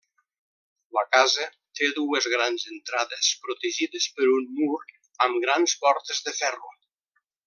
La casa té dues grans entrades protegides per un mur amb grans portes de ferro.